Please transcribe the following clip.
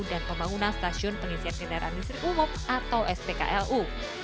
dan pembangunan stasiun pengisian kendaraan listrik umum atau spklu